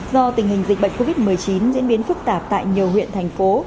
do tình hình dịch bệnh covid một mươi chín diễn biến phức tạp tại nhiều huyện thành phố